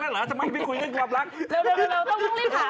เร็วต้องรีบพับ